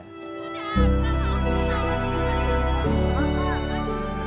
upaya aik mendirikan kelas multimedia